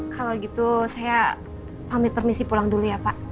kalau gitu saya pamit permisi pulang dulu ya pak